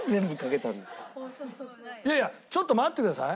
いやいやちょっと待ってください。